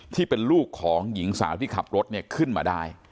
ที่เป็นลูกของหญิงสาวที่ขับรถเนี่ยขึ้นมาได้